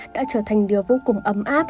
đã trở thành điều vô cùng ấm áp